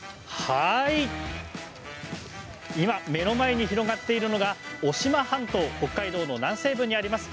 今の目の前に広がっているのが渡島半島北海道の南西部にあります。